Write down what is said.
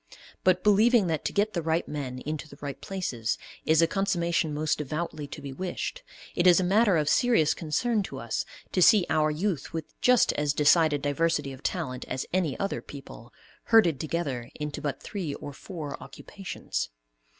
But, believing that to get the right men into the right places is a "consummation most devoutly to be wished," it is a matter of serious concern to us to see our youth with just as decided diversity of talent as any other people, herded together into but three or four occupations.